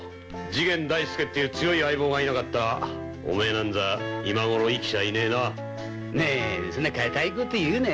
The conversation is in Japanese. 次元大介っていう強い相棒がいなかったらおめえなんざ今ごろ生きちゃいねえな。